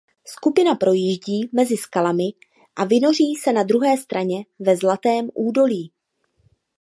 Skupina projíždí mezi skalami a vynoří se na druhé straně ve Zlatém údolí.